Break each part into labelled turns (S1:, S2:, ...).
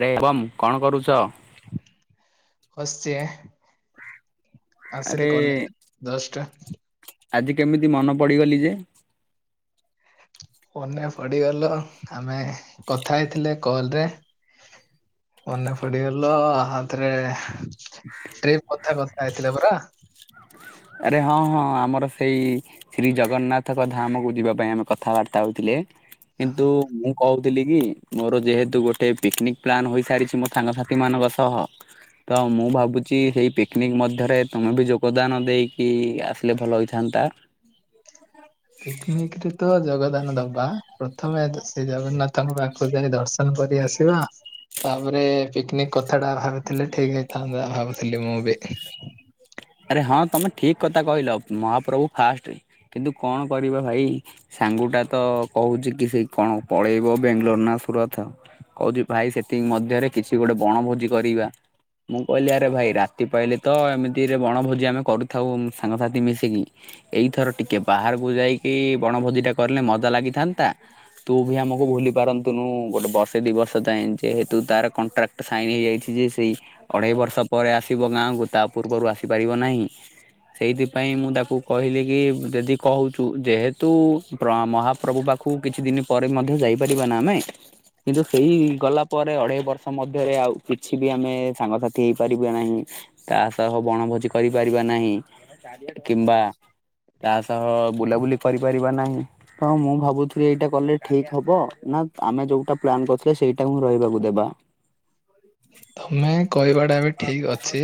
S1: ଆରେ ଏବମ୍ କଣ କରୁଚ?
S2: ବସିଚି ଆଁ।
S1: ଆରେ
S2: ଜଷ୍ଟ
S1: ଆଜି କେମିତି ମନ ପଡ଼ିଗଲିଯେ? [inaudible]
S2: ମନେ ପଡ଼ିଗଲ ଆମେ କଥା ହେଇଥିଲେ କଲରେ ମନେ ପଡ଼ିଗଲ ଆଉ ଥରେ ଟ୍ରିପ୍ କଥା-କଥା ହେଇଥିଲେ ପରା।
S1: ଆରେ ହଁ-ହଁ ଆମର ସେଇ ଶ୍ରୀ ଜଗନ୍ନାଥଙ୍କ ଧାମକୁ ଯିବା ପାଇଁ ଆମେ କଥାବାର୍ତ୍ତା ହଉଥିଲେ। କିନ୍ତୁ ମୁଁ କହୁଥିଲି କି ମୋର ଯେହେତୁ ଗୋଟେ ପିକ୍ ନିକ୍ ପ୍ଲାନ୍ ହୋଇସାରିଛି ମୋ ସାଙ୍ଗସାଥିମାନଙ୍କ ସହ। ତ ମୁଁ ଭାବୁଚି ସେଇ ପିକ୍ ନିକ୍ ମଧ୍ୟରେ ତୁମେବି ଯୋଗଦାନ ଦେଇକି ଆସିଲେ ଭଲ ହୋଇଥାନ୍ତା?
S2: ପିକ୍ ନିକ୍ ରେତ ଯୋଗଦାନ ଦବା ପ୍ରଥମେ ଆସେ ଶ୍ରୀ ଜଗନ୍ନାଥଙ୍କ ପାଖକୁ ଯାଇ ଦର୍ଶ ଦର୍ଶନ କରି ଆସିବା। ତାପରେ ପିକ୍ ନିକ୍ କଥାଟା ଭାବିଥିଲେ ଠିକ୍ ହେଇଥାନ୍ତା ଭାବୁଥିଲି ମୁଁ ବି।
S1: ଆରେ ହଁ ତମେ ଠିକ୍ କଥା କହିଲ ମହାପ୍ରଭୁ ଫାଷ୍ଟ୍ କିନ୍ତୁ କଣ କରିବା ଭାଇ? ସାଙ୍ଗୁଟାତ କହୁଚିକି ସେଇ କଣ ପଳେଇବ ବେଙ୍ଗ୍ଲୋର ନା ସୁରଥ କଉଚି ଭାଇ ସେତିିକି ମଧ୍ୟରେ କିଛି ଗୋଟେ ବଣଭୋଜି କରିବା ମୁଁ କହିଲି ଆରେ ଭାଇ ରାତି ପାଇଲିତ ଏମି ତିରେ ବଣଭୋଜି ଆମେ କରିୁଥାଉ ସାଙ୍ଗସାଥି ମିଶିକି ଏଇଥର ଟିକେ ବାହାରକୁ ଯାଇକି ବଣଭୋଜିଟା କରିଲେ ମଜା ଲାଗିଥାନ୍ତା। ତୁ ବି ଆମକୁ ଭୁଲି ପାରନ୍ତୁନୁ ଗୋଟେ ବର୍ଷେ ଦି ବର୍ଷ ଯାଏଁ ଯେହେତୁ ତାର କଣ୍ଟ୍ରାକ୍ଟ ସାଇନ୍ ହେଇଯାଇଚିଯେ ସେଇ ଅଢେଇ ବର୍ଷ ପରେ ଆସିବ ଗାଁକୁ ତାପୂର୍ବରୁ ଆସିପାରିବ ନାହିଁ। ସେଇଥିପାଇଁ ମୁଁ ତାକୁ କହିଲିକି ଯଦି କହୁଚୁ ଯେହେତୁ ପ୍ର ମହାପ୍ରଭୁ ପାଖକୁ କିଛି ଦିନି ପରେ ମଧ୍ୟ ଯାଇପାରିବାନା ଆମେ। କିନ୍ତୁ ସେହି ଗଲା ପରେ ଅଢେଇ ବର୍ଷ ମଧ୍ୟରେ ଆଉ କିଛିବି ଆମେ ସାଙ୍ଗସାଥି ହେଇପାରିବା ନାହିଁ। ତାସହ ବଣଭୋଜି କରିପାରିବା ନାହିଁ କିମ୍ବା ତା ସହ ବୁଲାବୁଲି କରିପାରିବା ନାହିଁ। ହଁ ମୁଁ ଭାବୁଥିଲି ଏଇଟା କଲେ ଠିକ୍ ହବ ନାଆମେ ଯୋଉଟା ପ୍ଲାନ୍ କରିଥିଲେ ସେଇଟାକୁ ରହିବାକୁ ଦେବା?
S2: ତମେ କହିବାଟାବି ଠିକ୍ ଅଛି।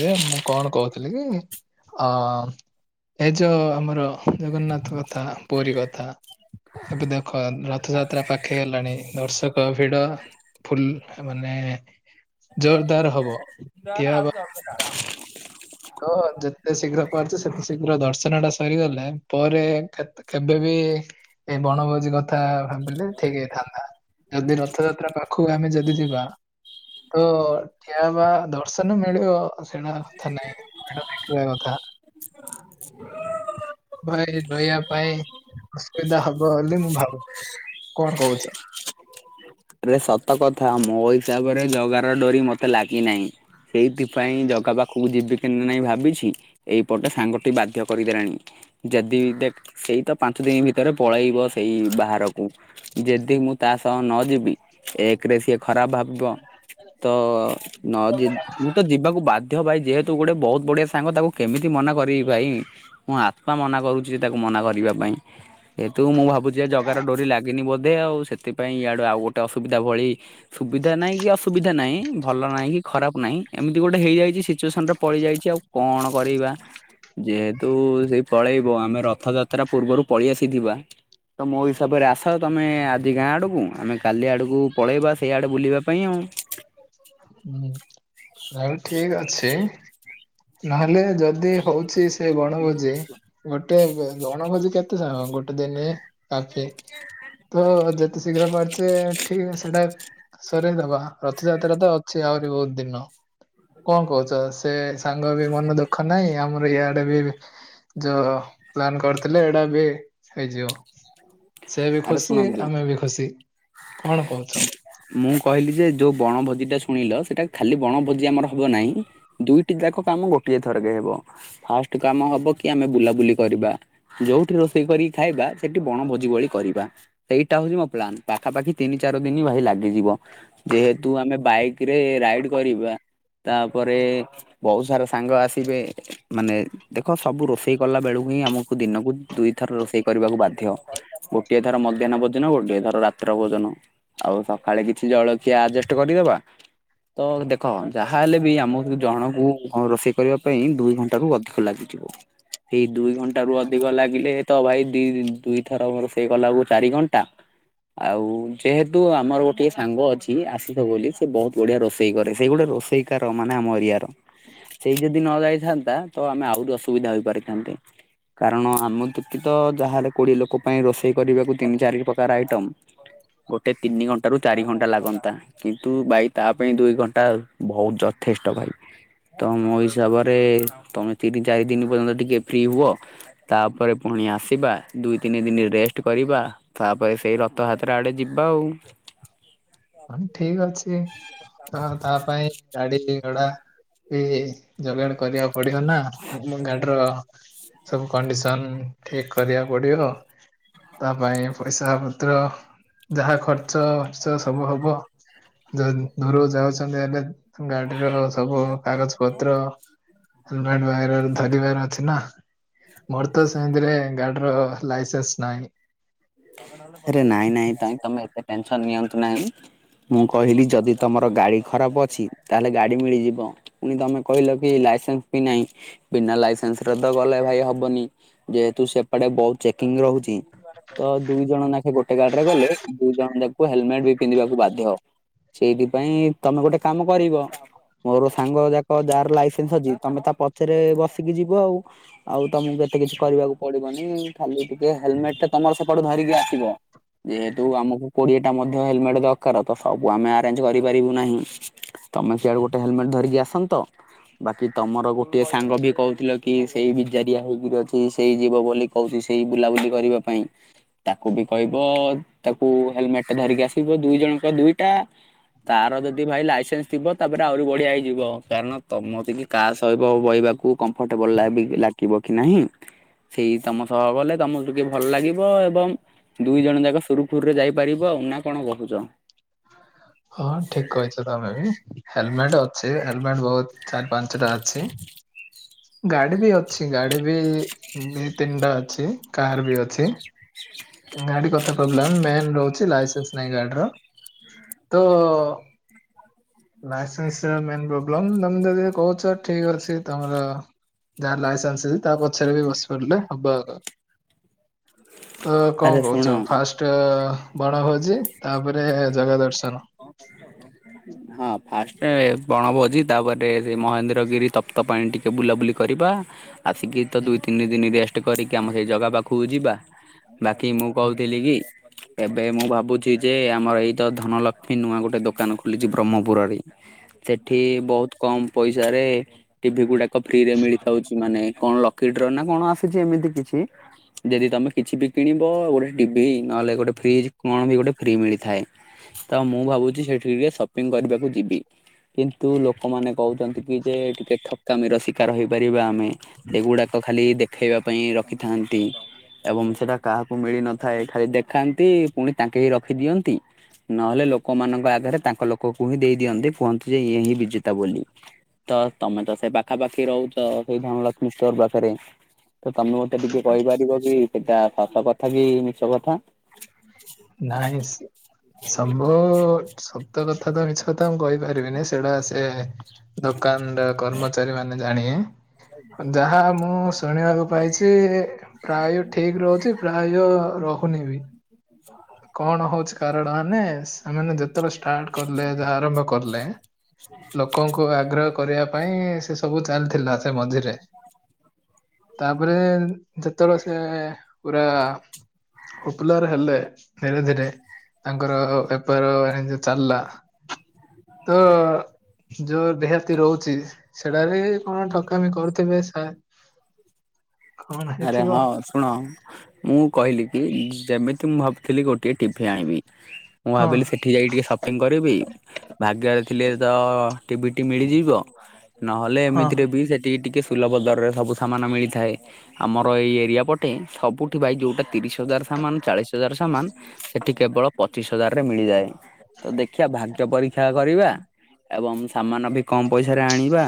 S2: ଯେ ମୁଁ କଣ କହୁଥିଲିକି ଅ ଏ ଯୋଉ ଆମର ଜଗନ୍ନାଥ କଥା ପୁରୀ କଥା ଏବେ ଦେଖ ରଥଯାତ୍ରା ପା ପଖେଇ ଗଲାଣି ଦର୍ଶକ ଭିଡ଼ ଫୁ ମାନେ ଜୋରଦାର ହବ ଖିଆ ହବ।
S1: ଟ [unintelligible]
S2: ହଁ ଯେତେ ଶୀଘ୍ର ପାରୁଚ ସେତେ ଶୀଘ୍ର ଦର୍ଶନ ଟା ସରିଗଲେ ପରେ କେବେବି ଏଇ ବଣଭୋଜି କଥା ଭାବିଲେ ଠିକି ହେଇଥାନ୍ତା ଯଦି ରଥଯାତ୍ରା ପାଖ କୁ ଆମେ ଯଦି ଯିବା ତ ଠିଆ ହବା ଦର୍ଶନ ମିଳିବ। ସେଟା କଥା ନାହିଁ ହେଟା ଦେଖିବା କଥା।
S1: [inaudible]
S2: ଭାଇ ରହିବା ପାଇଁ ଅସୁବିଧା ହବ ବୋଲି ମୁଁ ଭାବୁଚି କଣ କହୁଚ?
S1: ଆରେ ସତ କଥା ମୋ ହିସାବରେ ଜଗାର ଡୋରି ମତେ ଲାଗିନାଇଁ। ସେଇଥିପାଇଁ ଜଗା ପାଖକୁ ଯିବି କେ ନାଇଁ ଭାବିଛି। ଏଇପଟେ ସାଙ୍ଗଟେ ବାଧ୍ୟ କରିଦେଲାଣି। ଯଦି ଦେଖେ ସେଇ ତ ପାଞ୍ଚ ଦିନି ଭିତରେ ପଳେଇବ ସେଇ ବାହାରକୁ। ଜେଦି ମୁଁ ତା ସହ ନ ଯିବି ଏକେରେ ସିଏ ଖରାପ ଭାବିବ ତ ନ ଜି ମୁଁ ତ ଯିବାକୁ ବା ଦେଖ ଭାଇ ଯେହେତୁ ଗୋଟେ ବହୁତୁ ବଢିଆ ସାଙ୍ଗ ତାକୁ କେମିତି ମନା କରିବି ଭାଇ। ମୁଁ ଆତ୍ମା ମନା କରୁଛି ତାକୁ ମନା କରିବା ପାଇଁ। ଏଥୁ ମୁଁ ଭାବୁଚି ଯେ ଜଗାର ଡୋରି ଲାଗିନି ବୋଧେ ଆଉ ସେଥିପାଇଁ ଇଆଡେ ଆଉ ଗୋଟେ ଅସୁବିଧା ଭଳି ସୁବିଧା ନାଇଁ କି ଅସୁବିଧା ନାହିଁ ଭଲ ନାହିଁ କି ଖରାପ ନାହିଁ ଏମିତି ଗୋଟେ ହେଇଯାଇଚି ସିଚୁଏସନରେ ପଡ଼ିଯାଇଛି ଆଉ କଣ କରିବା। ଯେହେତୁ ସେଇ ପଳେଇବ ଆମେ ରଥଯାତ୍ରା ପୂର୍ବରୁ ପଳେଇ ଆସିଥିବା। ତ ମୋ ହିସାବରେ ଆସ ତମେ ଆଜି ଗାଁ ଆଡକୁ ଆମେ କାଲି ଆଡ଼କୁ ପଳେଇବା ସେଇଆଡ଼େ ବୁଲିବା ପାଇଁ ଆଉ।
S2: ହୁଁ ତା ବି ଠିକି ଅଛି। ନହେଲେ ଯଦି ହଉଛି ସେ ବଣଭୋଜି ଗୋଟେ ବଣଭୋଜି କେତେ ଜଣ ଗୋଟେ ଦିନି କାଫି ତ ଯେତେ ଶୀଘ୍ର ପାରୁଛେ ଠିକି ସେଇଟା ସରେଇଦବା। ରଥଯାତ୍ରା ତ ଅଛି ଆହୁରି ବହୁତୁ ଦିନ କଣ କହୁଚ? ସେ ସାଙ୍ଗ ବି ମନ ଦୁଃଖ ନାହିଁ ଆମର ଇଆଡେ ବି ଯୋଉ ପ୍ଲାନ କରିଥିଲେ ଏଇଟା ବି ହେଇଯିବ। ସେଏବି
S1: ଆରେ
S2: ଖୁସି
S1: ଶୁଣନ୍ତୁ
S2: ଆମେ ବି ଖୁସି କଣ କହୁଚ?
S1: ମୁଁ କହିଲି ଯେ ଯୋଉ ବଣଭୋଜି ଟା ଶୁଣିଲ ସେଇଟା ଖାଲି ବଣଭୋଜି ଆମର ହବ ନାହିଁ। ଦୁଇଟି ଯାକ କାମ ଗୋଟିଏ ଥରକେ ହବ ଫାଷ୍ଟ କାମ ହବ କି ଆମେ ବୁଲାବୁଲି କରିବା। ଯୋଉଠି ରୋଷେଇ କରି ଖାଇବା ସେଠି ବଣ ଭୋଜି ଭଳି କରି ବା ସେଇଟା ହଉଚି ମୋ ପ୍ଲାନ ପାଖାପାଖି ତିନି ଚାରି ଦିନି ଭାଇ ଲାଗିଯିବ। ଯେହେତୁ ଆମେ ବାଇକି ରେ ରାଇଡି କରିବା ତାପରେ ବହୁତୁ ସାରା ସାଙ୍ଗ ଆସିବେ। ମାନେ ଦେଖ ସବୁ ରୋଷେଇ କଲା ବେଳକୁ ହିଁ। ଆମକୁ ଦିନକୁ ଦୁଇଥର ରୋଷେଇ କରିବାକୁ ବାଧ୍ୟ। କେଦାର ମଧ୍ୟାହ୍ନ ଭୋଜନ ଗୋଟେ ଧର ରାତି୍ରର ଭୋଜନ। ଆଉ ସକାଳେ କିଛି ଜଳଖିଆ ଆଜେଷ୍ଟେ କରିଦବା। ତ ଦେଖ ଯାହା ହେଲେ ବି ଆମକୁ ଜଣକୁ ରୋଷେଇ କରିବା ପାଇଁ ଦୁଇ ଘଣ୍ଟାରୁ ଅଧିକ ଲାଗିଯିବ। ଏଇ ଦୁଇ ଘଣ୍ଟ ରୁ ଅଧିକ ଲାଗିଲେ ତ ଭାଇ ଦି ଦୁଇଥର ସେ ଗଲାକୁ ଚାରି ଘଣ୍ଟା। ଆଉ ଯେହେତୁ ଆମର ଗୋଟିଏ ସାଙ୍ଗ ଅଛି ଆସିଥ ବୋଲି ସେ ବହୁତୁ ବଢିଆ ରୋଷେଇ କରେ ସେଇ ଗୋଟେ ରୋଷେଇ କାର ମାନେ ଆମ ଏରିଆ ର। ସେଇ ଯଦି ନ ଯାଇଥାନ୍ତା ତ ଆମେ ଆହୁରି ଅସୁବିଧା ହେପାରିଥାନ୍ତେ। କାରଣ ଆମ ଦୁଃଖିତ ଯାହେଲେ କୋଡିଏ ଲୋକ ପାଇଁ ରୋଷେ ସେଇ କରିବାକୁ ତିନି ଚାରି ପ୍ରକାର ଆଇଟମ୍ ଗୋଟେ ତିନି ଘଣ୍ଟାରୁ ଚାରି ଘଣ୍ଟା ଲାଗନ୍ତା। କିନ୍ତୁ ଭାଇ ତା ପାଇଁ ଦୁଇ ଘଣ୍ଟା ବହୁତ ଯଥେଷ୍ଟ ଭାଇ। ତ ମୋ ହିସାବରେ ତମେ ତିନି ଚାରି ଦିନ ପର୍ଯ୍ୟନ୍ତ ଟିକେ ଫ୍ରି ହୁଅ ତାପରେ ପୁଣି ଆସିବା ଦୁଇ ତିନି ଦିନ ରେଷ୍ କରିବା ତାପରେ ସେଇ ରଥ ହାତ୍ରା ଆଡେ ଯିବା ଆଉ।
S2: ଆ ଠିକ ଅଛି। ତ ତା ପାଇଁ ଗାଡି ଘଡ଼ା ବି ଯୋଗାଣ କରିବା ପଡ଼ିବ ନା ମୋ ଗାଡ଼ିର ସବୁ କଣ୍ଡିସନ ଠିକ କରିବାକୁ ପଡ଼ିବ। ତା ପାଇଁ ପଇସା ପତ୍ର ଯାହା ଖର୍ଚ୍ଚ ବାର୍ଚ୍ଚ ସବୁ ହବ। ଯ ଦୂରକୁ ଯାଉଛନ୍ତି ହେଲେ ଗାଡିର ସବୁ କାଗଜ ପତ୍ର ହେଲମେଟ ଧରିବାର ଅଛି ନା। ମୋର ତ ସେମିତିରେ ଗାଡିର ଲାଇସେନ୍ସ ନାହିଁ।
S1: ରେ ନାଇଁ ନାଇଁ କାଇଁ ତମେ ଏତେ ଟେନସନ ନିଅନ୍ତୁ ନାହିଁ। ମୁଁ କହିଲି ଯଦି ତମର ଗାଡ଼ି ଖରାପ ଅଛି ତାହେଲେ ଗାଡ଼ି ମିଳିଯିବ। ପୁଣି ତମେ କହିଲ କି ଲାଇସେନ୍ସ ବି ନାହିଁ। ବିନା ଲାଇସେନ୍ସରେ ତ ଗଲେ ଭାଇ ହବନି ଯେହେତୁ ସେପଟେ ବହୁତ ଚେକିଂ ରହୁଛି। ତ ଦୁଇ ଜଣ ନଖେ ଗୋଟେ ଗାଡିରେ ଗଲେ ଦୁଇ ଜଣ ଯାଖକୁ ହେଲମେଟ ବି ପିନ୍ଧିବାକୁ ବାଧ୍ୟ। ସେଇଥି ପାଇଁ ତମେ ଗୋଟେ କାମ କରିବ। ମୋର ସାଙ୍ଗ ଯାକ ଯାହାର ଲାଇସେନ୍ସ ଅଛି ତମେ ତା ପଛରେ ବସିକି ଯିବ ଆଉ। ଆଉ ତମକୁ ଏତେ କିଛି କରିବାକୁ ପଡିବନି ଖାଲି ଟିକେ ହେଲମେଟ ଟା ତମର ସେପଟୁ ଧରିକି ଆସିବ। ଯେହେତୁ ଆମକୁ କୋଡିଏଟା ମଧ୍ୟ ହେଲମେଟ ଦରକାର ତ ସବୁ ଆମେ ଆରେଞ୍ଜ କରିପାରିବୁ ନାହିଁ। ତମେ ସଆଡୁ ଗୋଟେ ହେଲମେଟ ଧରିକି ଆସନ୍ତ। ବାକି ତମର ଗୋଟିଏ ସାଙ୍ଗ ବି କହୁଥିଲ କି ସେଇ ବିଜାରିଆ ହେଇକିରି ଅଛି ସେଇ ଯିବ ବୋଲି କହୁଛି ସେଇ ବୁଲାବୁଲି କରିବା ପାଇଁ। ତାକୁ ବି କହିବ ତାକୁ ହେଲମେଟ ଧରିକି ଆସିବ ଦୁଇ ଜଣଙ୍କ ଦୁଇଟା। ତାର ଯଦି ଭାଇ ଲାଇସେନ୍ସ ଥିବ ତାପରେ ଆହୁରି ବଢିଆ ହେଇଯିବ କାରଣ ତମ ତିକି କାହା ସହିବ ବହିବାକୁ କମ୍ଫର୍ଟେବଲ ଲାଗିବ କି ନାହିଁ। ସେଇ ତମ ସହ ଗଲେ ତମକୁ ଟିକେ ଭଲ ଲାଗି ବ ଏବଂ ଦୁଇ ଜଣ ଯାକ ସୁରୁଖୁରୁରେ ଯାଇପାରିବ ଆଉ ନା କଣ କହୁଛ।
S2: ହଁ ଠିକ କହିଛ ତମେ ବି ହେଲମେଟ ଅଛି ହେଲମେଟ ବହୁତ ଚାରି ପାଞ୍ଚଟା ଅଛି। ଗାଡି ବି ଅଛି ଗାଡି ବି ଦି ତିନିଟା ଅଛି କାର ବି ଅଛି। ଗାଡି କଥା ପ୍ରୋବ୍ଲେମ ମେନ ରହୁଛି ଲାଇସେନ୍ସ ନାଇଁ ଗାଡି ର। ତୁ ଲାଇସେନ୍ସ ମେନ ପ୍ରୋବ୍ଲେମ ତମେ ଯଦି କହୁଛ ଠିକ ଅଛି। ତମର ଯାହା ଲାଇସେନ୍ସଛି ତା ପଛରେ ବି ବସି ପାରିଲେ ହବ ଆଗା। ତ କଁ
S1: ଆରେ
S2: କହୁଛ
S1: ଶୁଣ
S2: ଫାଷ୍ଟ ବଣଭୋଜି ତାପରେ ଜଗା ଦର୍ଶନ। [inaudible]
S1: ହଁ ଫାଷ୍ଟ ବଣଭୋଜି ତାପରେ ସେ ମହେନ୍ଦ୍ରଗିରି ତପ୍ତ ପାଣି ଟି କେ ବୁଲାବୁଲି କରିବା। ଆସିକି ତ
S2: ହୁଁ
S1: ଦୁଇ ତିନି ଦିନ ରେଷ୍ଟ କରିକି ଆମ ସେଇ ଜାଗା ପାଖକୁ ଯିବା। ବାକି ମୁଁ
S2: ହୁଁ
S1: କହୁଥିଲି କି ଏବେ ମୁଁ ଭାବୁଛି ଯେ ଆମର ଏଇଟ ଧନଲକ୍ଷ୍ମୀ ନୂଆ ଗୋଟେ ଦୋକାନ ଖୋଲିଛି ବ୍ରହ୍ମପୁରରେ। ସେଠି ବହୁତ କମ ପଇସାରେ ଟିଭି ଗୁଡାକ ଫ୍ରିରେ ମିଳିଥାଉଛି ମାନେ କଣ ଲକିଡର ନା କଣ ଆସିଛି ଏମିତି କିଛି? ଯଦି ତମେ କିଛି ବି କିଣିବ ଗୋଟେ ଟିଭି ନହେଲେ ଗୋଟେ ଫ୍ରିଜ କଣ ବି ଗୋଟେ ଫ୍ରି ମିଳି ଥାଏ ତ ମୁଁ ଭାବୁଛି ସେଠି ଟିକେ ସପିଙ୍ଗ କରିବାକୁ ଯିବି। କିନ୍ତୁ ଲୋକମାନେ କହୁଛନ୍ତି କି ଯେ ଟିକେ ଠକାମିର ଶିକାର ହେଇପାରିବା ଆମେ। ସେଗୁଡାକ ଖାଲି ଦେଖେଇବା ପାଇଁ ରଖିଥାନ୍ତି। ଏବଂ ସେଟା କାହାକୁ ମିଳି ନଥାଏ ଖାଲି ଦେଖାନ୍ତି ପୁଣି ତାଙ୍କେ ହି ରଖିଦିଅନ୍ତି। ନହେଲେ ଲୋକମାନଙ୍କ ଆଗରେ ତାଙ୍କ ଲୋକକୁ ହିଁ ଦେଇ ଦିଅନ୍ତି କୁହନ୍ତି ଯେ ଇଏ ହିଁ ବିଜେତା ବୋଲି। ତ ତମେ ତ ସେ ପାଖାପାଖି ରହୁଛ ସେଇ ଧନଲକ୍ଷ୍ମୀ ଷ୍ଟୋର ପାଖରେ। ତ ତମେ ମତେ ଟିକେ କହିପାରିବ କି ସେଟା ସତ କଥା କି ମିଛ କଥା?
S2: ନାଇଁସ୍ ସମ୍ଭୁ ସତ କଥା ତ ମିଛ ତ ମୁଁ କହିପାରିବିନି ସେଗୁଡ଼ା ସେ ଦୋକାନ ର କର୍ମଚାରୀ ମାନେ ଜାଣିବେ। ଯାହା ମୁଁ ଶୁଣିବାକୁ ପାଇଛି ପ୍ରାୟ ଠିକ ରହୁଛି ପ୍ରାୟ ରହୁନି ବି। କଣ ହଉଛି କାରଣ ମାନେ ସେମାନେ ଯେତେବେଳେ ଷ୍ଟାଟ କଲେ ଆରମ୍ଭ କଲେ ଲୋକଙ୍କୁ ଆଗ୍ରହ କରିବା ପାଇଁ ସେ ସବୁ ଚାଲିଥିଲା। ତେ ମଝିରେ ତାପରେ ଯେତେବେଳେ ସେ ପୁରା ଉପୁଲାରେ ହେଲେ ଧୀରେ ଧୀରେ ତାଙ୍କର ବେପାର ବାଣିଜ୍ୟ ଚାଲିଲା। ତ ଯୋଉ ଦେହାତି ରହୁଚି ସେଟାବି କଣ ଠକାମି କରୁଥିବେ ସାର୍।
S1: ଆରେ ହଁ ଶୁଣ ମୁଁ କହିଲି କି ଯେମିତି ମୁଁ ଭାବୁଥିଲି ଗୋଟିଏ ଟିଭି ଆଣିବି। ମୁଁ
S2: ହଁ
S1: ଭାବିଲି ସେଠି ଯାଇକି ଟିକେ ସପିଙ୍ଗ କରିବି ଭାଗ୍ୟରେ ଥିଲେ ତ ଟିଭିଟି ମିଳିଯିବ ନହେଲେ
S2: ହଁ
S1: ଏମିତିରେ ବି ସେଠି ଟିକେ ସୁଲଭ ଦରରେ ସବୁ ସାମାନ ମିଳିଥାଏ। ଆମର ଏଇ ଏରିଆ ପଟେ ସବୁଠି ଭାଇ ଯୋଉଟା ତିରିଶ ହଜାର ସାମାନ ଚାଳିଶ ହଜାର ସାମାନ ସେଠି କେବଳ ପଚିଶ ହଜାରରେ ମିଳିଯାଏ ତ ଦେଖିବା ଭାଗ୍ୟ ପରୀକ୍ଷା କରିବା। ଏବଂ ସାମାନ ବି କମ ପଇସାରେ ଆଣିବା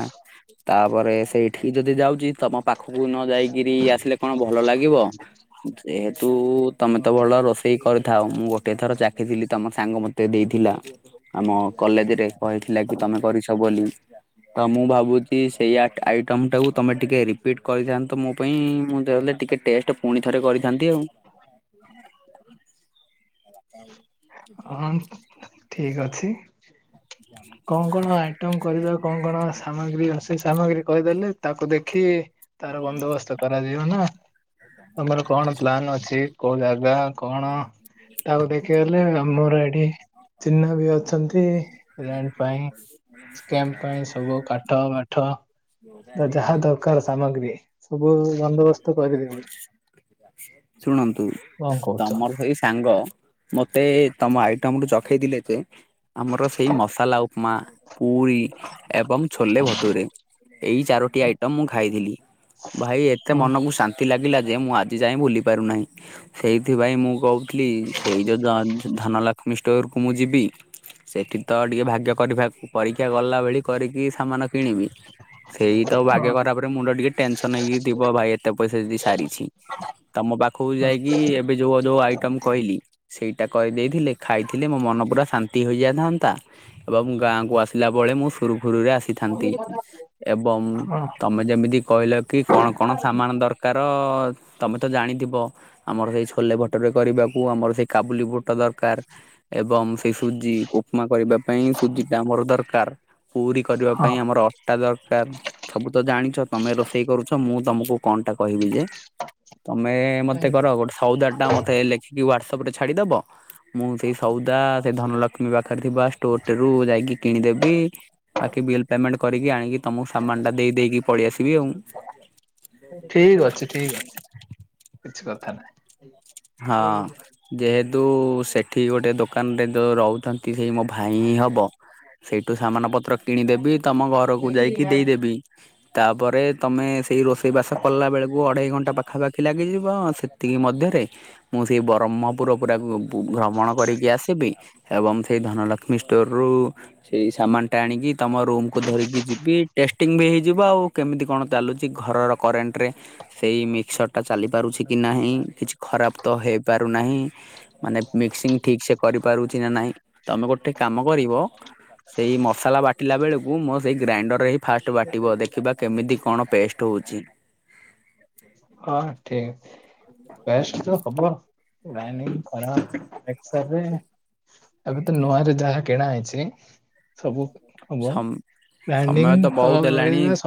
S1: ତାପରେ ସେଇଠିକି ଯଦି ଯାଉଛି ତମ ପାଖକୁ ନ ଯାଇକି ଇଏ ଆସିଲେ କଣ ଭଲ ଲାଗିବ? ଯେହେତୁ ତମେ ତ ଭଲ ରୋଷେଇ କରିଥାଅ ମୁଁ ଗୋଟେ ଥର ଚାଖିଥିଲି ତମ ସାଙ୍ଗ ମୋତେ ଦେଇଥିଲା। ଆମ କଲେଜ ରେ କହିଥିଲା କି ତମେ କରିଛ ବୋଲି ତ ମୁଁ ଭାବୁଛି ସେଇ ଆଇଟମ ଟାକୁ ତମେ ଟିକେ ରିପିଟ କରିଥାନ୍ତ ମୁଁ ତ ପାଇଁ ମୁଁ ତ ହେଲେ ଟିକେ ଟେଷ୍ଟ ପୁଣି ଥରେ କରିଥାନ୍ତି ଆଉ। [inaudible] [unintelligible]
S2: ହଁ ଠିକ୍ ଅଛି।
S1: ଜ [inaudible]
S2: କଣ କଣ ଆଇଟମ କରିବା କଣ କଣ ସାମଗ୍ରୀ ରୋଷେଇ ସାମଗ୍ରୀ କହିଦେଲେ ତାକୁ ଦେଖି ତାର ବନ୍ଦୋବସ୍ତ କରାଯିବ ନା ତମର କଣ ପ୍ଲାନ ଅଛି? କୋଉ ଜାଗା କଣ? ତାକୁ ଦେଖିଗଲେ ଆମୋର ଏଠି ଚିହ୍ନା ବି ଅଛନ୍ତି। [unintelligible] ପାଇଁ କ୍ସେମ୍ ପାଇଁ ସବୁ କାଠ ବାଠ। ଯାହା ଦରକାର ସାମଗ୍ରୀ ସବୁ ବନ୍ଦୋବସ୍ତ କରିଦେବି।
S1: ଶୁଣନ୍ତୁ
S2: କଣ କହୁଛ?
S1: ତମ ହେଇ ସାଙ୍ଗ ମତେ ତମ ଆଇଟମ ଟୁ ଚଖେଇଥିଲେ ଯେ ଆମର ସେଇ ମସଲା ଉପମା। ପୁରୀ ଏବଂ ଛୋଲେ ଭଟୁରେ ଏଇ ଚାରୋଟି ଆଇଟମ ମୁଁ ଖାଇଥିଲି। ଭାଇ ଏତେ
S2: ହଁ
S1: ମନକୁ ଶାନ୍ତି ଲାଗିଲା ଯେ ମୁଁ ଆଜି ଯାଏ ଭୁଲି ପାରୁନାହିଁ ସେଇ ସେଥିପାଇ ମୁଁ କହୁଥିଲି ସେଇ ଯୋଉ ଧନ ଲ ଲକ୍ଷ୍ମୀ ଷ୍ଟୋରକୁ ମୁଁ ଯିବି ସେଇଠି ତ ଟିକେ ଭାଗ୍ୟ କରିବାକୁ ପରୀକ୍ଷା ଗଲାବେଳି କରିକି ସାମାନ କିଣିବି। ସେଇ ତ ଭାଗ୍ୟ
S2: ହଁ
S1: ଖରାପରେ ମୁଣ୍ଡ ଟିକେ ଟେନସନ ହେଇକି ଥିବ ଭାଇ ଏତେ ପଇସା ଯଦି ସାରିଛି। ତମ ପାଖକୁ
S2: ହଁ
S1: ଯାଇକି ଏବେ ଯୋଉ ଯୋଉ ଆଇଟମ କହିଲି। ସେଇଟା କରିଦେଇଥିଲେ ଖାଇଥିଲେ ମୋ ମନ ପୁରା ଶାନ୍ତି ହୋଇଯାଇଥାନ୍ତା। ଏଂବ ଗାଁକୁ ଆସିଲା ବଳେ ମୁଁ ସୁରୁଖୁରୁରେ ଆସିିଲି। ଥାନ୍ତି ଏବଂ
S2: ହଁ
S1: ତମେ ଯେମିତି କହିଲ କି କଣ କଣ ସାମାନ ଦର ତାର ତମେ ତ ଜାଣିଥିବ ଆମର ହେଇ ଛୁ ଛୋଲେ ବଟରରେ କରିବାକୁ ଆମର ସେଇ କାବୁଲି ବୁଟ ଦରକାର। ଏବଂ ସେଇ ସୁଜି ଉପମା କରିବା ପାଇଁ ସୁଜି ଟା ଆମର ଦରକାର। ପୁରୀ କରିବା ପାଇଁ
S2: ହଁ
S1: ଆମର ଅଟା ଦରକାର ସବୁ ତ ଜାଣିଛ ତମେ ରୋଷେଇ କରୁଛ ମୁଁ ତମକୁ କଣଟା। କହିବି ଯେ ତମେ ମତେ କର ଗୋଟେ। ସଉଦା ଟା ମତେ ଲେଖିକି ହ୍ୱାଟସପ ରେ ଛାଡିଦବ ମୁଁ ସେଇ ସଉଦା ସେଇ ଧନଲ। ପିଇବା ପାଖରେ ଥିବା ଷ୍ଟୋର ଟି ରୁ ଯାଇକି କିଣି ଦେବି ବାକି ବିଲ ପେମେଣ୍ଟ କରି କି ଆଣିକି। ତମକୁ ସାମାନ ଟା ଦେଇଦେଇକି ପଳେଇଆସିବି ଆଉ।
S2: ଠିକ ଅଛି ଠିକ ଅଛି କିଛି କଥା ନାହିଁ।
S1: ହଁ ଯେହେତୁ ସେଠି ଗୋଟେ ଦୋକାନଟେ ତ ରହୁଛନ୍ତି ହେଇ ମୋ। ଭାଇ ହି ହବ ସେଇଠୁ ସାମାନ ପତ୍ର କିଣିଦେବି ତମ ଘରକୁ ଯାଇକି
S2: ନାହିଁ।
S1: ଦେଇଦେବି। ତାପରେ ତମେ ସେଇ ରୋଷେଇ ବାସ କଲା ବେଳକୁ ଅଢେଇ ଘଣ୍ଟା ପାଖାପାଖି। ଥିଲା କି ଯିବ ସେତିକି ମଧ୍ୟରେ ମୁଁ ସେଇ ବ୍ରହ୍ମପୁର ଗୁଡାକୁ। ଭ୍ରମଣ କରିକି ଆସିବି ଏବଂ ସେଇ ଧନଲକ୍ଷ୍ମୀ ଷ୍ଟୋର ରୁ। ସେଇ ସାମାନ ଟା ଆଣିକି ତମ ରୁମକୁୁ ଧରିକି ଯିବି ଟେଷ୍ଟିଙ୍ଗି ବି ହେଇଯିବ ଆଉ। କେମିତି କଣ ଚାଲୁଛି ଘରର କରେଣ୍ଟ ରେ ସେଇ ମିକ୍ସର ଟା ଚାଲି ପାରୁଛି କି ନାହିଁ କି ଖରାପ ତ ହେଇପାରୁନାହିଁ। ମାନେ ମିକ୍ସିଂ ଠିକ ସେ କରିପାରୁଛି ନା ନାହିଁ ତମେ ଗୋଟେ କାମ କରିବ। ସେଇ ମସଲା ବାଟିଲା ବେଳକୁ ମୋ ସେଇ ଗ୍ରାଇଣ୍ଡର ହେଇ। ଫାଷ୍ଟ ବାଟିବ ଦେଖିବା କେମିତି କଣ ପେଷ୍ଟ ହଉଛି।
S2: ହଁ ଠିକ ପେଷ୍ଟ ତ ହବ ଗ୍ରାଇଣ୍ଡିଙ୍ଗ କରା ହେ। ସରେ ଏବେ ତ ନୂଆରେ ଯାହା କିଣା ହେଇଛି। ସବୁ ହବ
S1: ସମ ସମୟ ତ
S2: ଗ୍ରାଇଣ୍ଡିଙ୍ଗ ହଁ
S1: ବହୁତ ହେଲାଣି
S2: ହବେଇ ବେ ସବୁ।